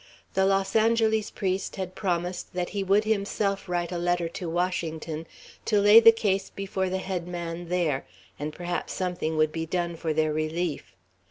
The Los Angeles priest had promised that he would himself write a letter to Washington, to lay the case before the head man there, and perhaps something would be done for their relief.